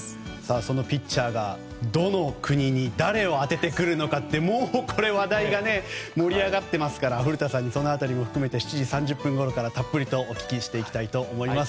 そのピッチャーがどの国に誰を当ててくるのか話題が盛り上がっていますから古田さんにその辺り含めて７時３０分ごろからたっぷりお聞きしたいと思います。